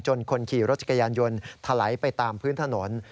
คนขี่รถจักรยานยนต์ถลายไปตามพื้นถนน